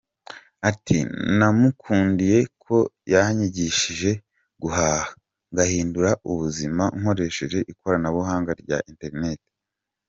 Ati”namukundiye ko yanyigishije guhaha ngahindura ubuzima nkoresheje ikoranabuhanga rya internet.